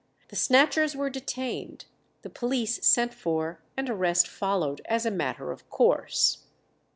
The snatchers were detained, the police sent for, and arrest followed as a matter of course.